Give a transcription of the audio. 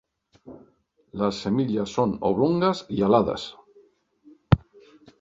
Las semillas son oblongas y aladas.